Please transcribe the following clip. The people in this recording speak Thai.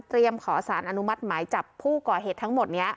ขอสารอนุมัติหมายจับผู้ก่อเหตุทั้งหมดนี้